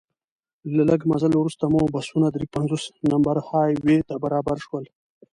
له لږ مزل وروسته مو بسونه درې پنځوس نمبر های وې ته برابر شول.